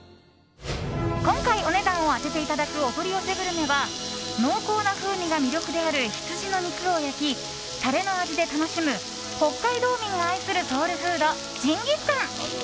今回お値段を当てていただくお取り寄せグルメは濃厚な風味が魅力である羊の肉を焼きタレの味で楽しむ北海道民が愛するソウルフードジンギスカン。